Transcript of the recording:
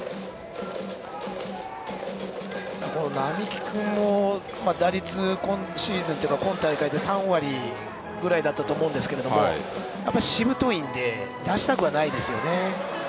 双木君は打率、今シーズンというか今大会で３割ぐらいだったと思うんですけどしぶといので出したくないですね。